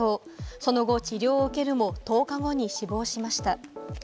その後、治療を受けるも１０日後に死亡しました。